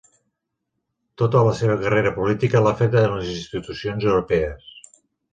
Tota la seva carrera política l'ha fet a les institucions europees.